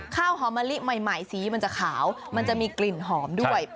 ข้าวหอมมะลิใหม่สีมันจะขาวมันจะมีกลิ่นหอมด้วย